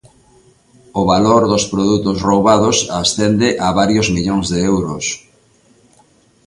O valor dos produtos roubados ascende a varios millóns de euros.